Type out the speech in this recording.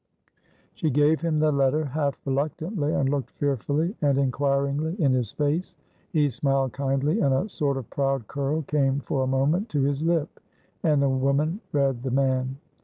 She gave him the letter half reluctantly, and looked fearfully and inquiringly in his face. He smiled kindly, and a sort of proud curl came for a moment to his lip, and the woman read the man.